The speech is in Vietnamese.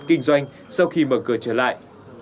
kinh doanh sau khi mở cửa trở lại